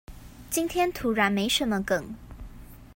今天突然沒什麼梗